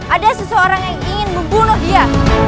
ada seseorang yang ingin membunuh dia